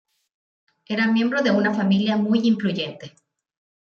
Era miembro de una familia muy influyente.